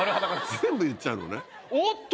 全部言っちゃうのね。